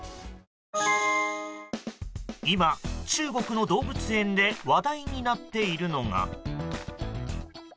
今、中国の動物園で話題になっているのが。